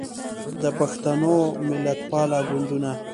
د پښتنو ملتپاله ګوندونه